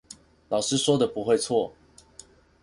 老師說的不會錯